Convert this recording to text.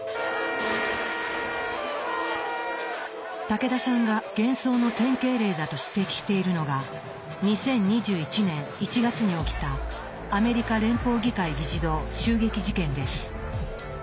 武田さんが幻想の典型例だと指摘しているのが２０２１年１月に起きたアメリカ連邦議会議事堂襲撃事件です。